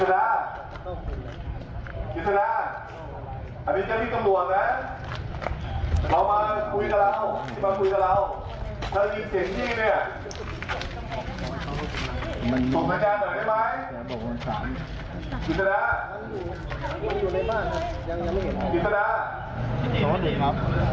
อาจารย์ไรเอาผู้ชมให้ได้วะ